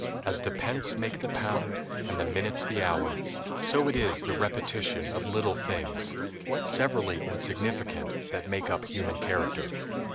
As the pence make the pound and the minutes the hour, so it is the repetition of little things, severally insignificant, that make up human character.